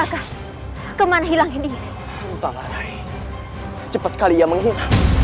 tentara rai cepat kali ya mangkir